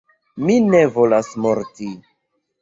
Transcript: Mi ne volas morti!